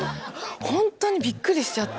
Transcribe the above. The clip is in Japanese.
本当にびっくりしちゃって。